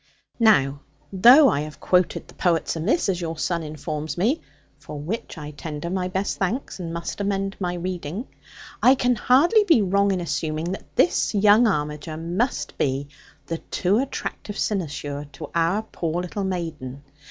'Now though I have quoted the poets amiss, as your son informs me (for which I tender my best thanks, and must amend my reading), I can hardly be wrong in assuming that this young armiger must be the too attractive cynosure to our poor little maiden.